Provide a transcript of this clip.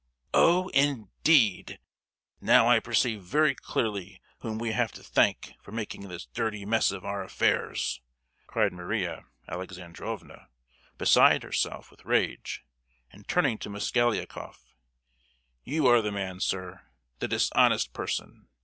"Oh, indeed! Now I perceive very clearly whom we have to thank for making this dirty mess of our affairs!" cried Maria Alexandrovna, beside herself with rage, and turning to Mosgliakoff: "You are the man, sir—the dishonest person.